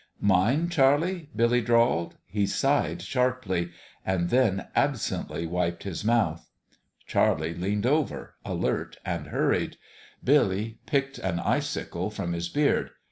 "Mine, Charlie?" Billy drawled. He sighed sharply and then absently wiped his mouth. Charlie leaned over, alert and hurried. Billy picked an icicle from his beard.